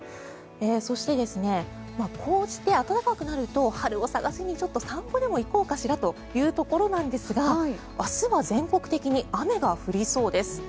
そして、こうして暖かくなると春を探しに散歩でも行こうかしらというところなんですが明日は全国的に雨が降りそうです。